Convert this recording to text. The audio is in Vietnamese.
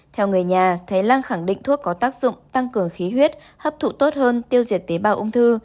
theo người nhà thầy lang khẳng định thuốc có tác dụng tăng cường khí huyết hấp thụ tốt hơn tiêu diệt tế bào ung thư